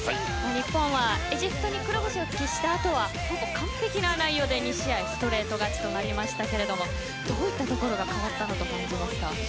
日本はエジプトに黒星を喫した後はほぼ完璧な内容で２試合連続ストレート勝ちとなりましたがどういったところが変わったんだと感じますか？